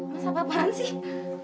mas apaan sih